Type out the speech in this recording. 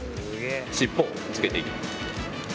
尻尾をくっつけていきます。